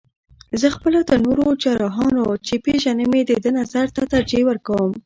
زه خپله تر نورو جراحانو، چې پېژنم یې د ده نظر ته ترجیح ورکوم.